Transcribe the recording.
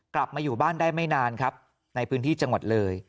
กลับมาอยู่บ้านได้ไม่นานครับในพื้นที่จังหวัดเลย